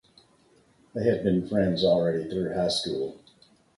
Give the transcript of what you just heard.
They had been friends already through high school.